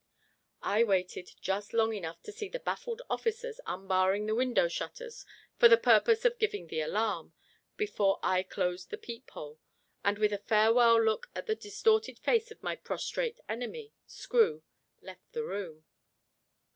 I waited just long enough to see the baffled officers unbarring the window shutters for the purpose of giving the alarm, before I closed the peephole, and with a farewell look at the distorted face of my prostrate enemy, Screw, left the room.